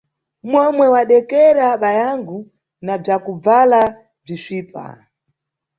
Momwe wadekera bayangu, na bzakubvala bzisvipa.